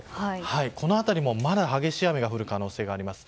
この辺りもまだ激しい雨が降る可能性があります。